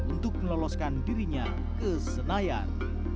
untuk meloloskan dirinya ke senayan